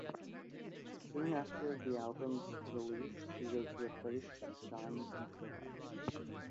Soon after the album's release, she was replaced by Shaun MacGowan.